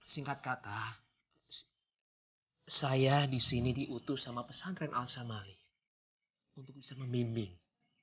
singkat kata saya disini diutus sama pesantren al samali untuk bisa membimbing